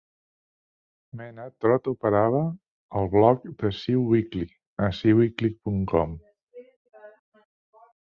Mena Trott operava el blog "The Sew Weekly" a sewwekly.com.